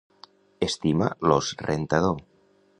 Estima l'os rentador.